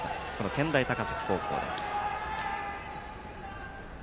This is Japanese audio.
健大高崎高校です。